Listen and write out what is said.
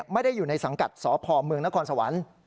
ไม่ได้อยู่ในสังกัดสพเมืองนครสวรรค์